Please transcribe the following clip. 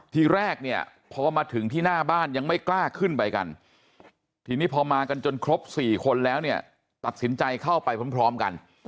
ทีแรกเนี่ยพอมาถึงที่หน้าบ้านยังไม่กล้าขึ้นไปกันทีนี้พอมากันจนครบ๔คนแล้วเนี่ยตัดสินใจเข้าไปพร้อมกัน